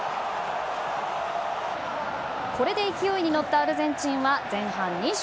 これで勢いに乗ったアルゼンチンは前半２２分。